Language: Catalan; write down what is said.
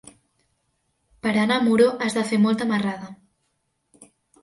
Per anar a Muro has de fer molta marrada.